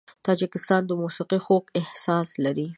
د تاجکستان موسیقي خوږ احساس لري.